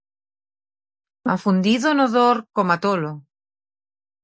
Afundido no dor, coma tolo.